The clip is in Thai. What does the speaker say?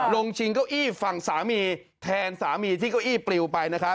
ลงชิงเก้าอี้ฝั่งสามีแทนสามีที่เก้าอี้ปริวไป